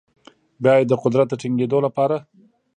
بیا یې د قدرت د ټینګیدو لپاره